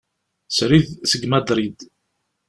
Srid seg Madrid.